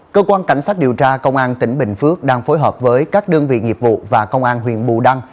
cơ quan cảnh sát điều tra công an tp đà lạt đang phối hợp với các đơn vị nghiệp vụ và công an huyện bù đăng